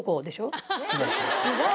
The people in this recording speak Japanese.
違う。